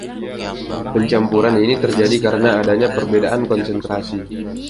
Pencampuran ini terjadi karena adanya perbedaan konsentrasi.